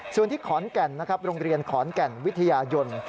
ส่วนที่ขอนแก่นนะครับโรงเรียนขอนแก่นวิทยายน